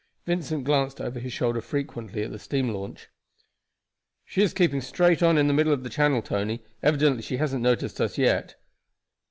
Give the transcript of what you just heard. Vincent glanced over his shoulder frequently at the steam launch. "She is keeping straight on in the middle of the channel, Tony; evidently she hasn't noticed us yet."